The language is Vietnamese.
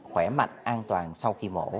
khỏe mạnh an toàn sau khi mổ